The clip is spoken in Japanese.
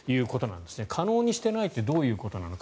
可能にしていないってどういうことなのか。